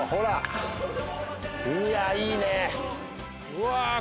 うわ。